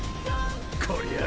こりゃあ。